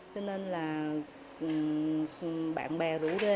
cho nên là bạn bè rủ đê